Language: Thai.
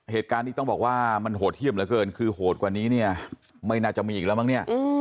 เหตุการณ์ที่ต้องบอกว่ามันโหดเยี่ยมเหลือเกินคือโหดกว่านี้เนี่ยไม่น่าจะมีอีกแล้วมั้งเนี่ย